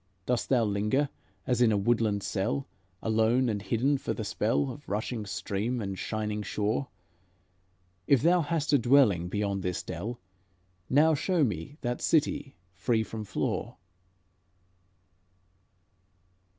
Dost thou linger as in a woodland cell, Alone and hidden, for the spell Of rushing stream and shining shaw? If thou hast a dwelling beyond this dell, Now show me that city free from flaw."